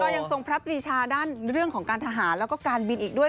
ยังทรงพระปรีชาด้านเรื่องของการทหารแล้วก็การบินอีกด้วย